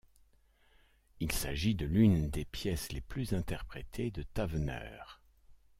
Il s'agit de l'une des pièces les plus interprétées de Tavener.